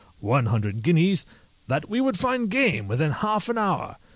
one hundred guineas) that we should find game within half an hour.